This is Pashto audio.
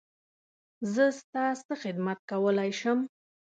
زه ستا څه خدمت کولی شم؟